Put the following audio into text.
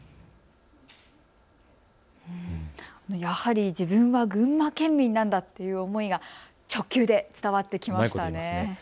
やはり自分は群馬県民なんだっていう思いが直球で伝わってきましたね。